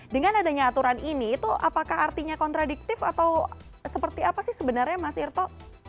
dengan adanya aturan ini itu apakah artinya kontradiktif atau seperti apa sih sebenarnya mas irto